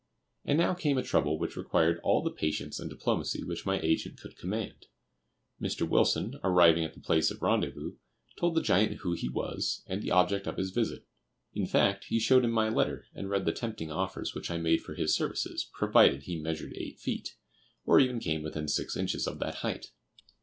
And now came a trouble which required all the patience and diplomacy which my agent could command. Mr. Wilson, arriving at the place of rendezvous, told the giant who he was, and the object of his visit. In fact, he showed him my letter, and read the tempting offers which I made for his services, provided he measured eight feet, or even came within six inches of that height.